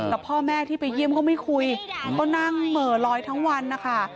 แต่พ่อแม่ที่ไปเยี่ยมเขาไม่คุยก็นั่งเหม่อลอยทั้งวันนะคะ